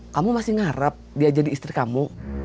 kamu masih ngarep dia jadi istri kamu